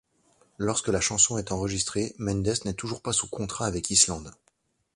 Lorsque la chanson est enregistrée, Mendes n'est toujours pas sous contrat avec Island.